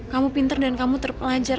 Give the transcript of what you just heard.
kamu pinter dan kamu terpelajar